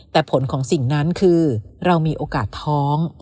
แต่ผลของสิ่งนั้นคือเรามีโอกาสท้อง